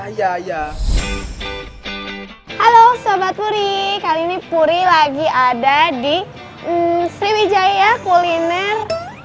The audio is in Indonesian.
halo sobat puri kali ini puri lagi ada di sriwijaya kuliner